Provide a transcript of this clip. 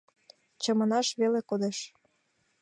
Чаманаш веле кодеш.